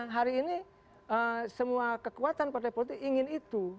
hari ini semua kekuatan partai politik ingin itu